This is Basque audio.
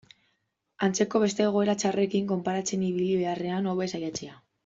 Antzeko beste egoera txarrekin konparatzen ibili beharrean, hobe saiatzea.